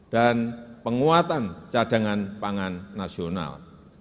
dan penguatan cadangan pangan nasional